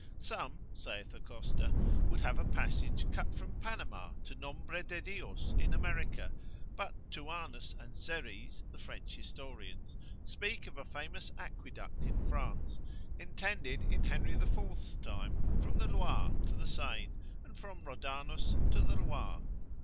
Some, saith Acosta, would have a passage cut from Panama to Nombre de Dios in America; but Thuanus and Serres the French historians speak of a famous aqueduct in France, intended in Henry the Fourth's time, from the Loire to the Seine, and from Rhodanus to the Loire.